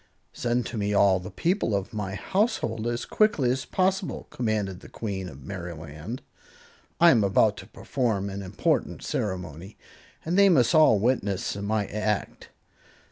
"Send to me all the people of my household, as quickly as possible," commanded the Queen of Merryland. "I am about to perform an important ceremony, and they must all witness my act."